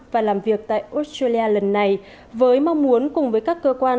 và làm việc tại australia lần này với mong muốn cùng với các cơ quan